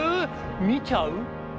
見ちゃう？